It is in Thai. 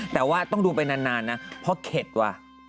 แต่ว่าต้องดูไปนานนะเพราะเข็ดว่ะ